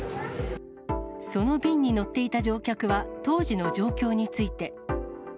その便に乗っていた乗客は、当時の状況について。